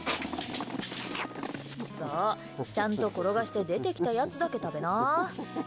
そう、ちゃんと転がして出てきたやつだけ食べな。